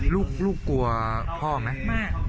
ลูกกลัวพ่อไหม